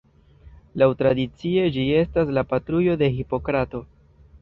Laŭtradicie ĝi estas la patrujo de Hipokrato.